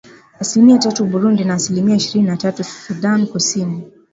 Asilimia tatu Burundi na asilimia ishirini na tatu Sudan Kusini